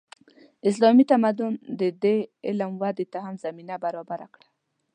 اسلامي تمدن د دې علم ودې ته هم زمینه برابره کړه.